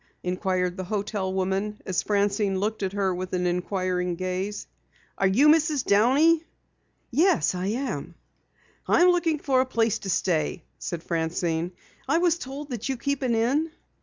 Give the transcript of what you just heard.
inquired the hotel woman as Francine looked at her with an inquiring gaze. "Are you Mrs. Downey?" "Yes, I am." "I am looking for a place to stay," said Francine. "I was told that you keep an inn."